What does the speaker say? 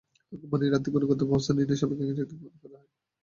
কোম্পানির আর্থিক ও গুণগত অবস্থা নির্ণয় সাপেক্ষে এই রেটিং প্রদান করা হয়।